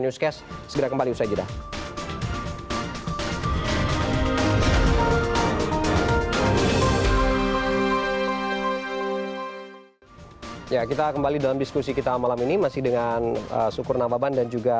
ya kita kembali dalam diskusi kita malam ini masih dengan sukur nababan dan juga